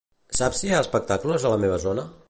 Saps si hi ha espectacles a la meva zona?